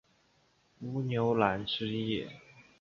乌牛栏之役。